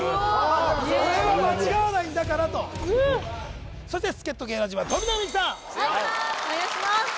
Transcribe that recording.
「俺は間違わないんだから」とうーわっ怖っそして助っ人芸能人は富永美樹さんはいお願いします